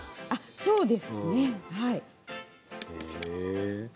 そうですね。